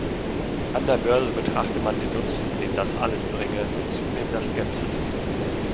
An der Börse betrachte man den Nutzen, den das alles bringe, mit zunehmender Skepsis.